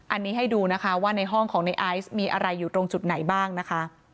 อันนี้ให้ดูนะคะว่าในห้องของในไอซ์มีอะไรอยู่ตรงจุดไหนบ้างนะคะ